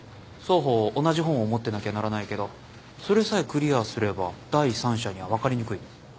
双方同じ本を持ってなきゃならないけどそれさえクリアすれば第三者には分かりにくい。